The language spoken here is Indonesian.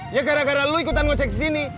ya gara gara lu ikutan ngecek sini